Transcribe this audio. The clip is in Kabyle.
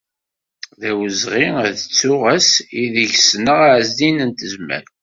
D awezɣi ad ttuɣ ass ideg ssneɣ Ɛezdin n Tezmalt.